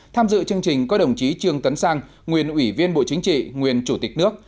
tham dự chương trình có đồng chí trương tấn sang nguyên ủy viên bộ chính trị nguyên chủ tịch nước